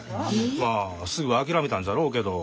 まあすぐ諦めたんじゃろうけど。